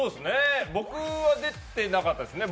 僕は出てなかったですね。